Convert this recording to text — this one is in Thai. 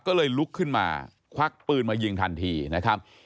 ก็เลยลุกขึ้นมาควักปืนมายิงทันทีนะครับ